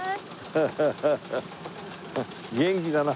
ハハハハ元気だな。